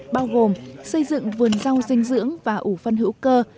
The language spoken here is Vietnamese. bao gồm xây dựng vườn rau dinh dưỡng và ủ phân hữu cơ